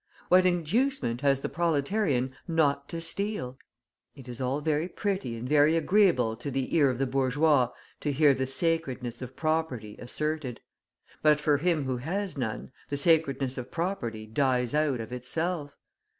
What inducement has the proletarian not to steal! It is all very pretty and very agreeable to the ear of the bourgeois to hear the "sacredness of property" asserted; but for him who has none, the sacredness of property dies out of itself.